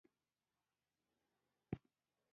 افغانستان د مرکزي آسیا او سویلي آسیا د وصلولو وړتیا لري.